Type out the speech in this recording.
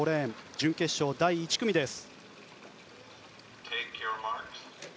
準決勝第１組です。